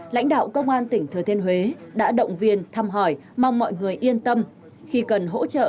lãnh đạo công an tỉnh thừa thiên huế đã động viên thăm hỏi mong mọi người yên tâm khi cần hỗ trợ